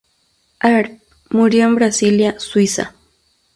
Arp murió en Basilea, Suiza.